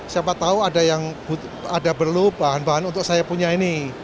siapa tahu ada perlu bahan bahan untuk saya punya ini